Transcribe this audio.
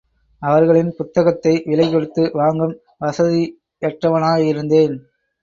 அவர்களின் புத்தகத்தை விலை கொடுத்து வாங்கும் வசதியற்றவனாயிருந்தேன்.